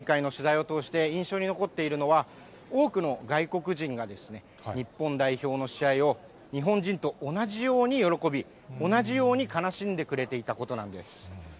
そして私、今大会の取材を通して印象に残っているのは、多くの外国人が、日本代表の試合を、日本人と同じように喜び、同じように悲しんでくれていたことなんです。